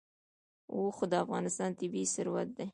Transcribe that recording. اوښ د افغانستان طبعي ثروت دی.